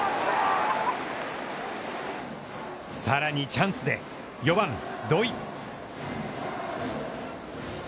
さらにチャンスで４番土井。